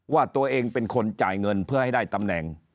ว่าตัวเองเป็นคนจ่ายเงินเพื่อให้ได้ตำแหน่ง